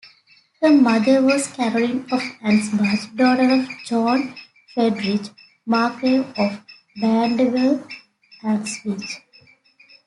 Her mother was Caroline of Ansbach, daughter of Johann Friedrich, Margrave of Brandenburg-Ansbach.